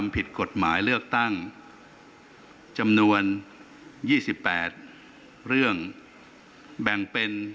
ผิดกฎหมายเลือกตั้งจำนวน๒๘เรื่องแบ่งเป็น